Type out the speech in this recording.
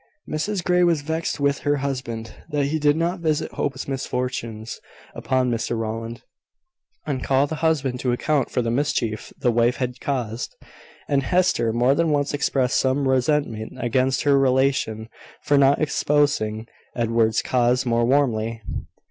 Mrs Grey was vexed with her husband that he did not visit Hope's misfortunes upon Mr Rowland, and call the husband to account for the mischief the wife had caused; and Hester more than once expressed some resentment against her relation for not espousing Edward's cause more warmly.